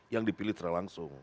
yang dipilih terlangsung